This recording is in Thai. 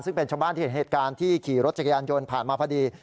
ซึ่งเป็นชาวบ้านที่เห็นเหตุการณ์ที่ขี่รถจักรยานยนต์ผ่านมาพอดี